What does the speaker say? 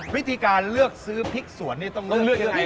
วิธีการเลือกซื้อพริกสวนนี่ต้องเลือกยังไง